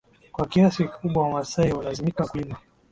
kwa kiasi kikubwa Wamaasai hulazimika kulima